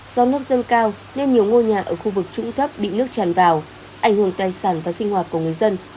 do nước dâng cao nên nhiều ngôi nhà ở khu vực trũng thấp bị nước tràn vào ảnh hưởng tài sản và sinh hoạt của người dân